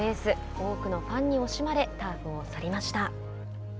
多くのファンに惜しまれターフを去りました。